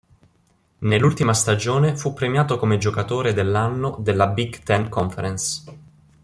Nell'ultima stagione fu premiato come giocatore dell'anno della Big Ten Conference.